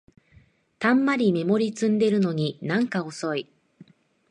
たんまりメモリ積んでるのになんか遅い